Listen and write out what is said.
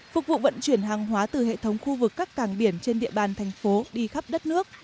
phục vụ vận chuyển hàng hóa từ hệ thống khu vực các càng biển trên địa bàn thành phố đi khắp đất nước